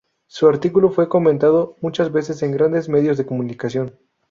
Su artículo fue comentado muchas veces en grandes medios de comunicación.